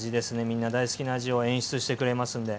みんな大好きな味を演出してくれますんで。